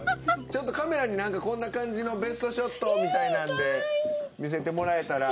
ちょっとカメラにこんな感じのベストショットみたいなんで見せてもらえたら。